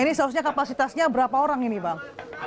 ini seharusnya kapasitasnya berapa orang ini bang